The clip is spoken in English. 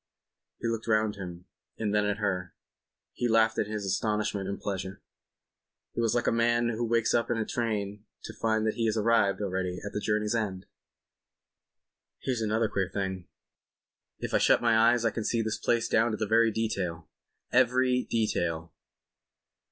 He looked round him and then at her; he laughed in his astonishment and pleasure. He was like a man who wakes up in a train to find that he has arrived, already, at the journey's end. "Here's another queer thing. If I shut my eyes I can see this place down to every detail—every detail.